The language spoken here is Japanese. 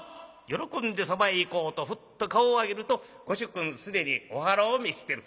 喜んでそばへ行こうとふっと顔を上げるとご主君既にお腹を召してる。